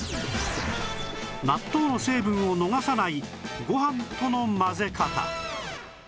納豆の成分を逃さないご飯との混ぜ方